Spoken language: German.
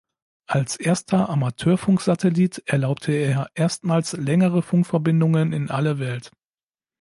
Als erster Amateurfunksatellit erlaubte er erstmals längere Funkverbindungen in alle Welt.